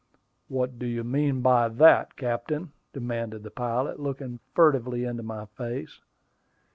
"What do you mean by that, captain?" demanded the pilot, looking furtively into my face.